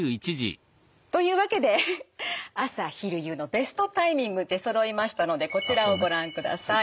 というわけで朝昼夕のベストタイミング出そろいましたのでこちらをご覧ください。